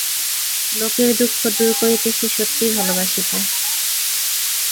লোকের দুঃখ দূর করিতে সে সত্যই ভালোবাসিত।